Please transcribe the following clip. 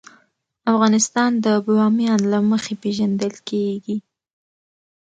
افغانستان د بامیان له مخې پېژندل کېږي.